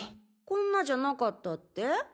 こんなじゃなかったって？